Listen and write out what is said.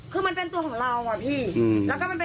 คือมันเป็นตัวของเราอะพี่